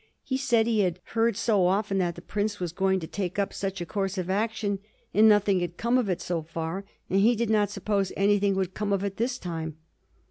He said he had heard so often that the prince was going to take up such a course of action and nothing had come of it so far, and he did not suppose anything would come of it this time.